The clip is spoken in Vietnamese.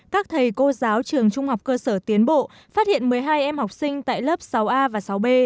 các thầy cô giáo trường trung học cơ sở tiến bộ phát hiện một mươi hai em học sinh tại lớp sáu a và sáu b